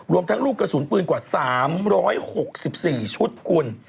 รวมทั้งลูกกระสุนปืนกว่า๓๖๔ชุดคุณ